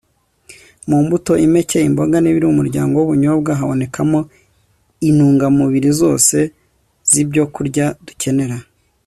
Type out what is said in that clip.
mu mbuto, impeke, imboga n'ibiri mu muryango w'ubunyobwa habonekamo intungamubiri zose z'ibyokurya dukenera